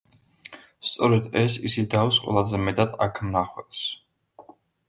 სწორედ ეს იზიდავს ყველაზე მეტად აქ მნახველს.